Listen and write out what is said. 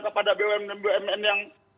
kepada bumn yang